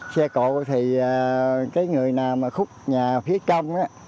xe cộ thì người nào khúc nhà phía trong